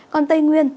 còn tây nguyên